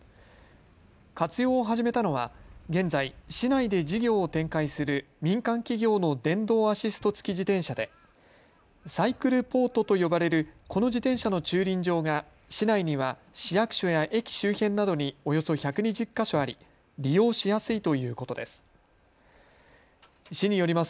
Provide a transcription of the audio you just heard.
活用を始めたのは現在、市内で事業を展開する民間企業の電動アシスト付き自転車でサイクルポートと呼ばれるこの自転車の駐輪場が市内には市役所や駅周辺などにおよそ１２０か所あり利用しやすいということです。